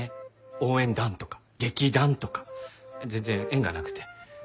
応援団とか劇団とか全然縁がなくて。